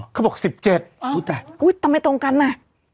เขาบอกสิบเจ็ดอ๋ออุ๊ยตำไมตรงกันอ่ะฮะ